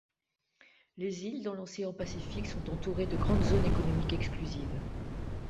Les îles dans l'océan Pacifique sont entourées de grandes Zones économiques exclusives.